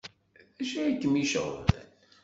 D acu ay kem-iceɣben?